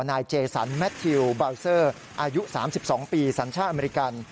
นายเจสันแมททิวบาวเซอร์อายุ๓๒ปีสัญชาติอเมริกัน